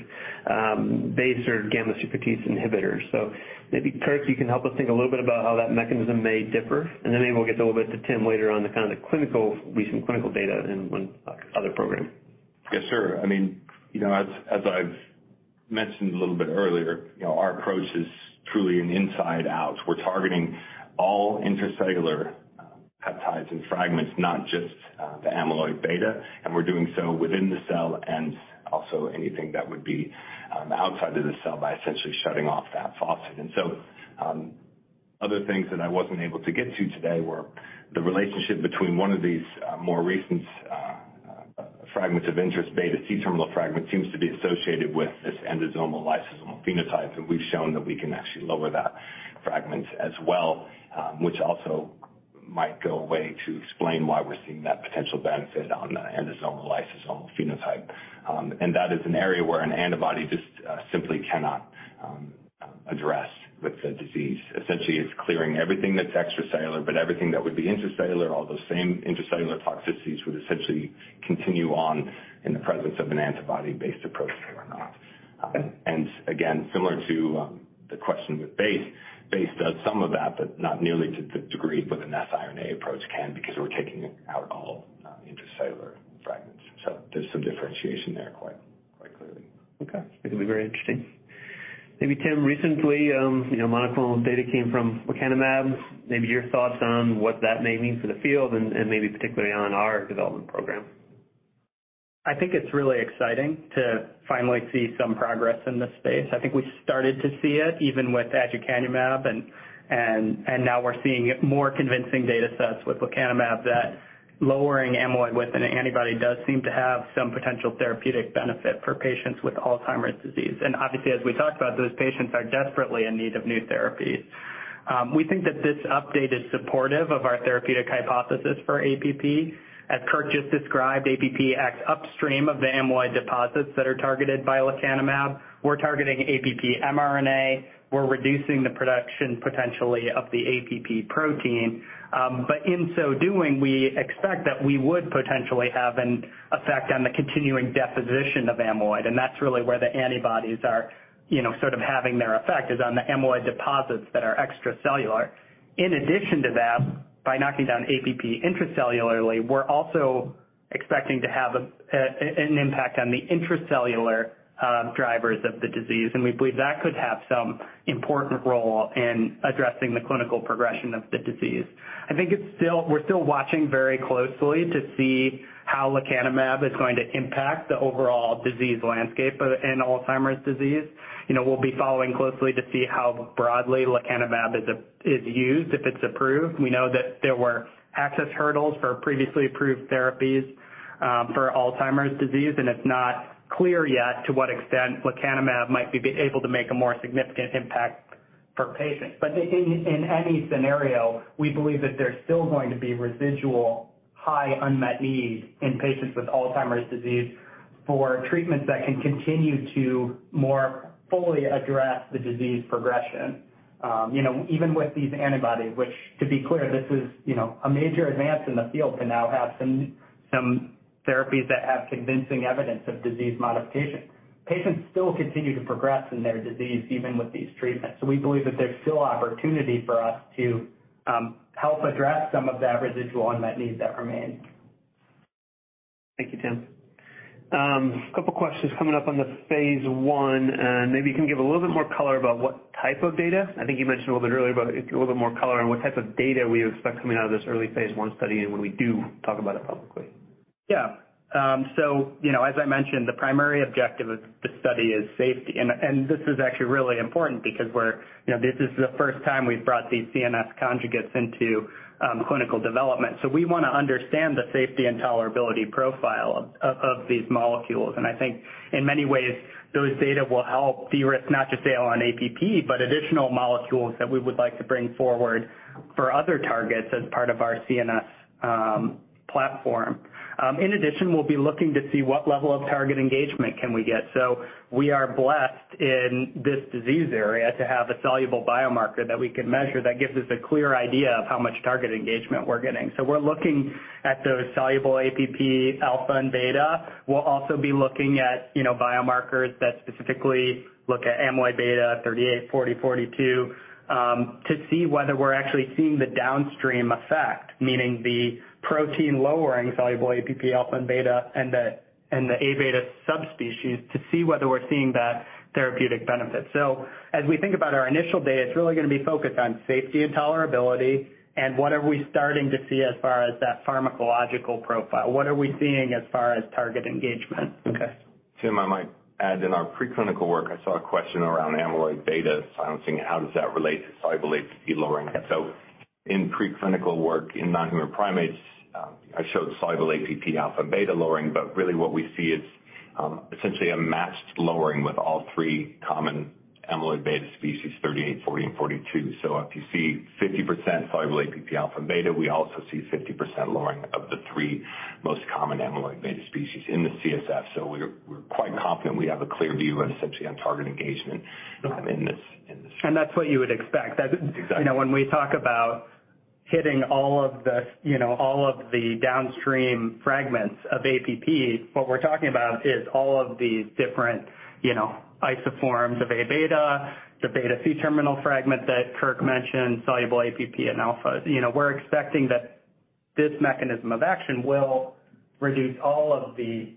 [SPEAKER 3] BACE or gamma-secretase inhibitors. So maybe, Kirk, you can help us think a little bit about how that mechanism may differ. And then maybe we'll get a little bit to Tim later on the kind of recent clinical data in one other program.
[SPEAKER 4] Yes, sir. I mean, as I've mentioned a little bit earlier, our approach is truly an inside-out. We're targeting all intracellular peptides and fragments, not just the amyloid beta. And we're doing so within the cell and also anything that would be outside of the cell by essentially shutting off the APP. And so other things that I wasn't able to get to today were the relationship between one of these more recent fragments of interest, beta C-terminal fragment, seems to be associated with this endosomal lysosomal phenotype. And we've shown that we can actually lower that fragment as well, which also might go some way to explain why we're seeing that potential benefit on the endosomal lysosomal phenotype. And that is an area where an antibody just simply cannot address the disease. Essentially, it's clearing everything that's extracellular, but everything that would be intracellular, all those same intracellular toxicities would essentially continue on in the presence of an antibody-based approach or not. And again, similar to the question with BACE, BACE does some of that, but not nearly to the degree with an siRNA approach can because we're taking out all intracellular fragments. So there's some differentiation there quite clearly.
[SPEAKER 3] Okay. It'll be very interesting. Maybe, Tim, recently, monoclonal data came from lecanemab. Maybe your thoughts on what that may mean for the field and maybe particularly on our development program?
[SPEAKER 5] I think it's really exciting to finally see some progress in this space. I think we started to see it even with Aducanumab, and now we're seeing more convincing data sets with lecanemab that lowering amyloid with an antibody does seem to have some potential therapeutic benefit for patients with Alzheimer's disease, and obviously, as we talked about, those patients are desperately in need of new therapies. We think that this update is supportive of our therapeutic hypothesis for APP. As Kirk just described, APP acts upstream of the amyloid deposits that are targeted by lecanemab. We're targeting APP mRNA. We're reducing the production potentially of the APP protein. But in so doing, we expect that we would potentially have an effect on the continuing deposition of amyloid. And that's really where the antibodies are sort of having their effect is on the amyloid deposits that are extracellular. In addition to that, by knocking down APP intracellularly, we're also expecting to have an impact on the intracellular drivers of the disease. And we believe that could have some important role in addressing the clinical progression of the disease. I think we're still watching very closely to see how lecanemab is going to impact the overall disease landscape in Alzheimer's disease. We'll be following closely to see how broadly lecanemab is used if it's approved. We know that there were access hurdles for previously approved therapies for Alzheimer's disease, and it's not clear yet to what extent lecanemab might be able to make a more significant impact for patients. But in any scenario, we believe that there's still going to be residual high unmet need in patients with Alzheimer's disease for treatments that can continue to more fully address the disease progression. Even with these antibodies, which, to be clear, this is a major advance in the field to now have some therapies that have convincing evidence of disease modification. Patients still continue to progress in their disease even with these treatments. So we believe that there's still opportunity for us to help address some of that residual unmet need that remains.
[SPEAKER 3] Thank you, Tim. A couple of questions coming up on the Phase 1. And maybe you can give a little bit more color about what type of data. I think you mentioned a little bit earlier, but a little bit more color on what type of data we expect coming out of this early Phase 1 study and when we do talk about it publicly.
[SPEAKER 5] Yeah. So as I mentioned, the primary objective of the study is safety. And this is actually really important because this is the first time we've brought these CNS conjugates into clinical development. So we want to understand the safety and tolerability profile of these molecules. And I think in many ways, those data will help de-risk not just ALN-APP, but additional molecules that we would like to bring forward for other targets as part of our CNS platform. In addition, we'll be looking to see what level of target engagement can we get. So we are blessed in this disease area to have a soluble biomarker that we can measure that gives us a clear idea of how much target engagement we're getting. So we're looking at those soluble APP alpha and beta. We'll also be looking at biomarkers that specifically look at amyloid beta, 38, 40, 42, to see whether we're actually seeing the downstream effect, meaning the protein lowering soluble APP alpha and beta and the A beta subspecies to see whether we're seeing that therapeutic benefit. So as we think about our initial data, it's really going to be focused on safety and tolerability and what are we starting to see as far as that pharmacological profile. What are we seeing as far as target engagement? Okay.
[SPEAKER 4] Tim, I might add in our preclinical work, I saw a question around amyloid beta silencing and how does that relate to soluble APP lowering. So in preclinical work in non-human primates, I showed soluble APP alpha and beta lowering, but really what we see is essentially a matched lowering with all three common amyloid beta species, 38, 40, and 42. So if you see 50% soluble APP alpha and beta, we also see 50% lowering of the three most common amyloid beta species in the CSF. So we're quite confident we have a clear view essentially on target engagement in this study.
[SPEAKER 5] And that's what you would expect. Exactly. When we talk about hitting all of the downstream fragments of APP, what we're talking about is all of these different isoforms of A beta, the beta C-terminal fragment that Kirk mentioned, soluble APP and alpha. We're expecting that this mechanism of action will reduce all of the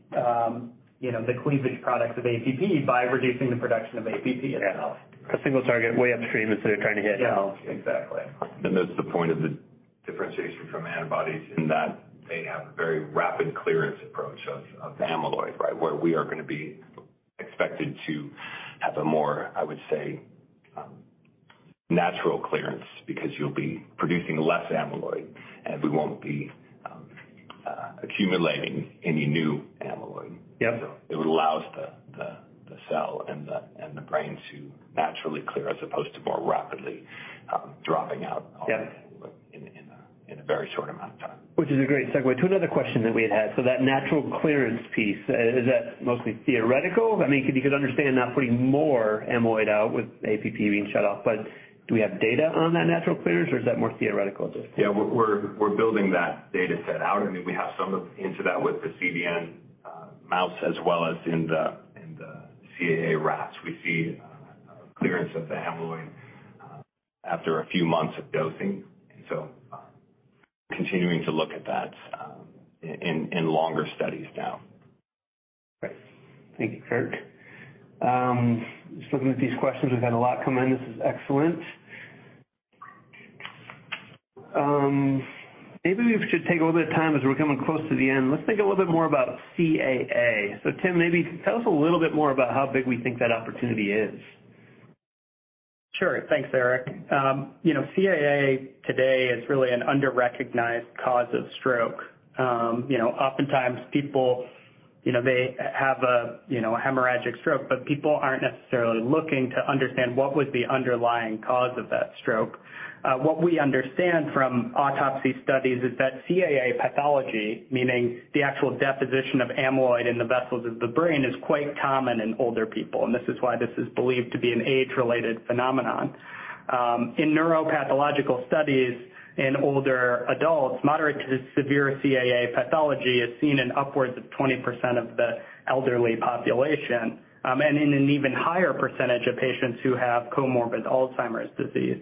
[SPEAKER 5] cleavage products of APP by reducing the production of APP itself.
[SPEAKER 3] A single target way upstream is they're trying to hit.
[SPEAKER 4] Exactly. And that's the point of the differentiation from antibodies in that they have a very rapid clearance approach of amyloid, right, where we are going to be expected to have a more, I would say, natural clearance because you'll be producing less amyloid, and we won't be accumulating any new amyloid. So it allows the cell and the brain to naturally clear as opposed to more rapidly dropping out in a very short amount of time.
[SPEAKER 3] Which is a great segue to another question that we had had. So that natural clearance piece, is that mostly theoretical? I mean, because I understand not putting more amyloid out with APP being shut off, but do we have data on that natural clearance, or is that more theoretical?
[SPEAKER 4] Yeah, we're building that data set out. I mean, we have some into that with the CDN mouse as well as in the CAA rats. We see clearance of the amyloid after a few months of dosing. And so continuing to look at that in longer studies now.
[SPEAKER 3] Great. Thank you, Kirk. Just looking at these questions, we've had a lot come in. This is excellent. Maybe we should take a little bit of time as we're coming close to the end. Let's think a little bit more about CAA. So Tim, maybe tell us a little bit more about how big we think that opportunity is.
[SPEAKER 5] Sure. Thanks, Eric. CAA today is really an under-recognized cause of stroke. Oftentimes, people, they have a hemorrhagic stroke, but people aren't necessarily looking to understand what was the underlying cause of that stroke. What we understand from autopsy studies is that CAA pathology, meaning the actual deposition of amyloid in the vessels of the brain, is quite common in older people. And this is why this is believed to be an age-related phenomenon. In neuropathological studies in older adults, moderate to severe CAA pathology is seen in upwards of 20% of the elderly population and in an even higher percentage of patients who have comorbid Alzheimer's disease.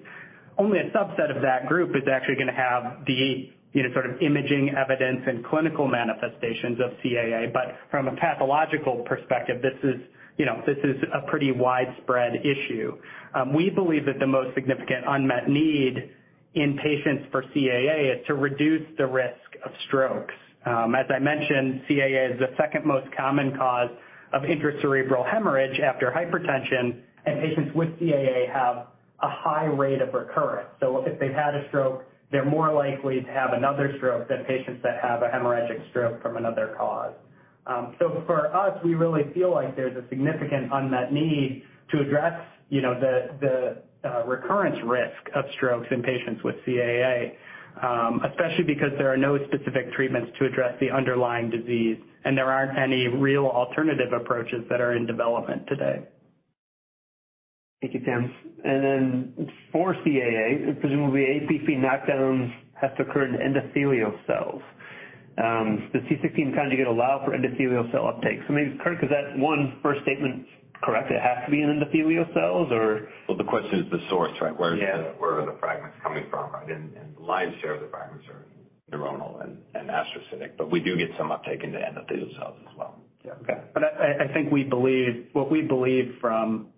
[SPEAKER 5] Only a subset of that group is actually going to have the sort of imaging evidence and clinical manifestations of CAA. But from a pathological perspective, this is a pretty widespread issue. We believe that the most significant unmet need in patients for CAA is to reduce the risk of strokes. As I mentioned, CAA is the second most common cause of intracerebral hemorrhage after hypertension, and patients with CAA have a high rate of recurrence. So if they've had a stroke, they're more likely to have another stroke than patients that have a hemorrhagic stroke from another cause. So for us, we really feel like there's a significant unmet need to address the recurrence risk of strokes in patients with CAA, especially because there are no specific treatments to address the underlying disease, and there aren't any real alternative approaches that are in development today.
[SPEAKER 3] Thank you, Tim. And then for CAA, presumably APP knockdowns have to occur in endothelial cells. The C16 conjugate allowed for endothelial cell uptake. So maybe, Kirk, is that one first statement correct? It has to be in endothelial cells, or?
[SPEAKER 4] Well, the question is the source, right? Where are the fragments coming from? And the lion's share of the fragments are neuronal and astrocytic, but we do get some uptake into endothelial cells as well. Yeah. Okay. But I think what we believe from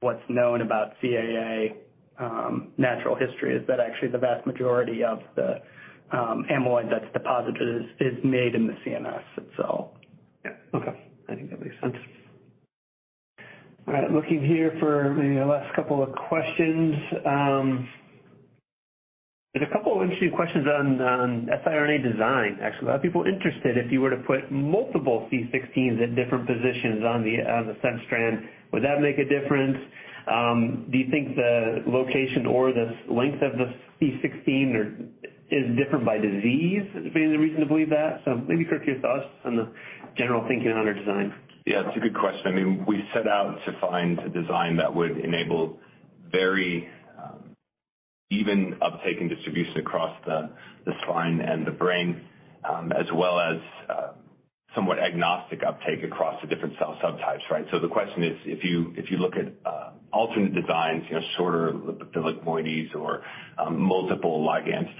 [SPEAKER 4] what's known about CAA natural history is that actually the vast majority of the amyloid that's deposited is made in the CNS itself.
[SPEAKER 3] Yeah. Okay. I think that makes sense. All right. Looking here for maybe the last couple of questions. There's a couple of interesting questions on siRNA design, actually. A lot of people are interested if you were to put multiple C16s at different positions on the sense strand, would that make a difference? Do you think the location or the length of the C16 is different by disease? Is there any reason to believe that? So maybe, Kirk, your thoughts on the general thinking on our design.
[SPEAKER 4] Yeah. It's a good question. I mean, we set out to find a design that would enable very even uptake and distribution across the spine and the brain, as well as somewhat agnostic uptake across the different cell subtypes, right? So the question is, if you look at alternate designs, shorter lipid moieties or multiple ligands,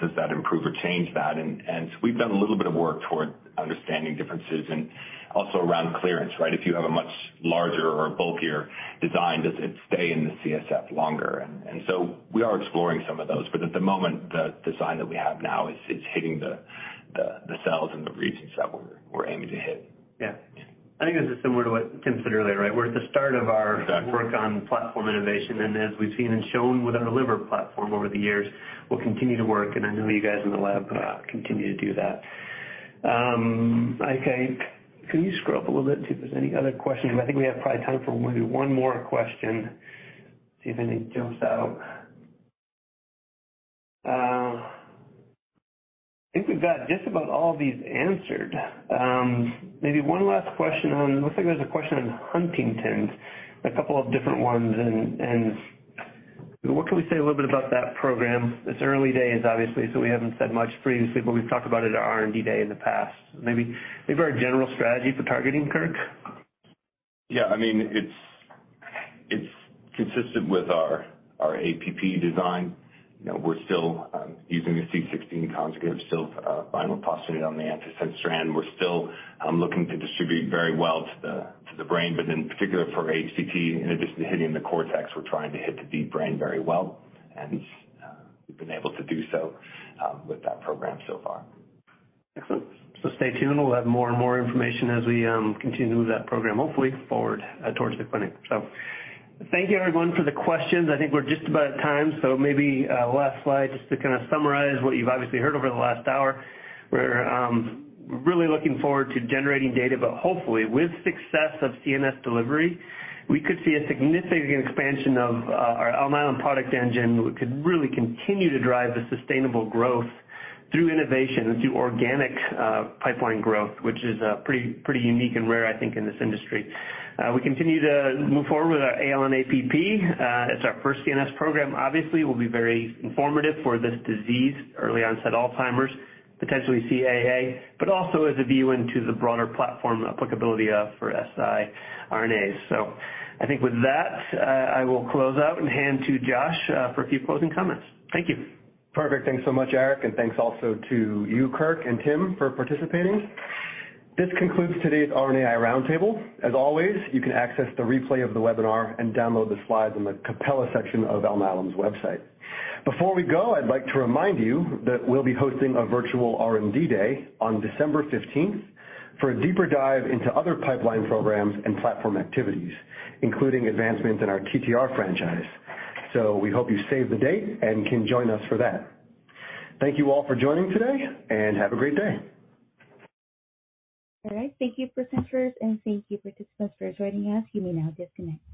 [SPEAKER 4] does that improve or change that? And we've done a little bit of work toward understanding differences and also around clearance, right? If you have a much larger or bulkier design, does it stay in the CSF longer? And so we are exploring some of those, but at the moment, the design that we have now is hitting the cells and the regions that we're aiming to hit.
[SPEAKER 3] Yeah. I think this is similar to what Tim said earlier, right? We're at the start of our work on platform innovation, and as we've seen and shown with our liver platform over the years, we'll continue to work, and I know you guys in the lab continue to do that. I think, can you scroll up a little bit too? If there's any other questions, I think we have probably time for maybe one more question. See if any jumps out. I think we've got just about all these answered. Maybe one last question. It looks like there's a question on Huntington's, a couple of different ones. And what can we say a little bit about that program? It's early days, obviously, so we haven't said much previously, but we've talked about it at R&D day in the past. Maybe a very general strategy for targeting, Kirk?
[SPEAKER 4] Yeah. I mean, it's consistent with our APP design. We're still using the C16 conjugate, vinyl phosphonate on the antisense strand. We're still looking to distribute very well to the brain, but in particular for HTT, in addition to hitting the cortex, we're trying to hit the deep brain very well. And we've been able to do so with that program so far.
[SPEAKER 3] Excellent, so stay tuned. We'll have more and more information as we continue to move that program, hopefully, forward towards the clinic, so thank you, everyone, for the questions. I think we're just about at time, so maybe last slide just to kind of summarize what you've obviously heard over the last hour. We're really looking forward to generating data, but hopefully, with success of CNS delivery, we could see a significant expansion of our Alnylam product engine. We could really continue to drive the sustainable growth through innovation and through organic pipeline growth, which is pretty unique and rare, I think, in this industry. We continue to move forward with our ALN-APP. It's our first CNS program, obviously. It will be very informative for this disease, early onset Alzheimer's, potentially CAA, but also as a view into the broader platform applicability for siRNAs. So I think with that, I will close out and hand to Josh for a few closing comments. Thank you.
[SPEAKER 2] Perfect. Thanks so much, Eric. And thanks also to you, Kirk, and Tim for participating. This concludes today's R&D roundtable. As always, you can access the replay of the webinar and download the slides in the Events section of Alnylam's website. Before we go, I'd like to remind you that we'll be hosting a virtual R&D day on December 15th for a deeper dive into other pipeline programs and platform activities, including advancements in our TTR franchise. So we hope you save the date and can join us for that. Thank you all for joining today, and have a great day.
[SPEAKER 1] All right. Thank you, presenters, and thank you, participants, for joining us. You may now disconnect.